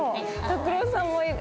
拓郎さんも。